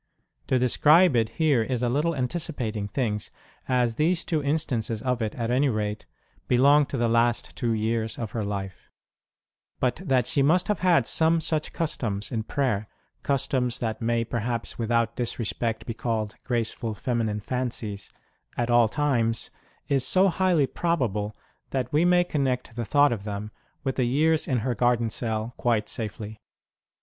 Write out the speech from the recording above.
To describe it here is a little anticipating things, as these two instances of it, at any rate, belong to the last two years of her life ; but that she must have had some such customs in prayer customs that may perhaps without disrespect be called graceful feminine ROSE S SPECIAL DEVOTIONS AND CHARITIES IIQ fancies at all times, is so highly probable that we may connect the thought of them with the years in her garden cell quite safely.